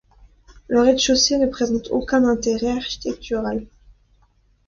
Le rez-de-chaussée ne présente aucun intérêt architectural.